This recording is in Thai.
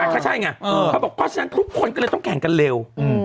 ก็ใช่ไงเขาบอกเพราะฉะนั้นทุกคนก็เลยต้องแข่งกันเร็ว